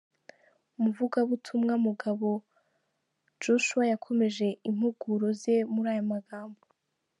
Umuvugabutumwa Mugabo Joshua yakomeje impuguro ze muri aya magambo: .